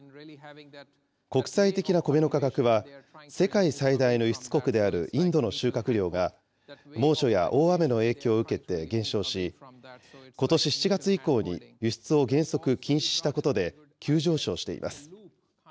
国際的なコメの価格は、世界最大の輸出国であるインドの収穫量が、猛暑や大雨の影響を受けて減少し、ことし７月以降に輸出を原則禁止したことで、急上昇しています。